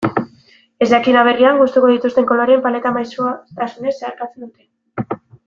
Ezjakin aberrian gustuko dituzten koloreen paleta maisutasunez zeharkatzen dute.